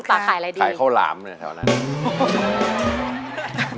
ป่าขายอะไรดีขายข้าวหลามเลยแถวนั้น